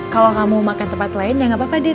kalau kamu makan tempat lain ya gak apa apa deh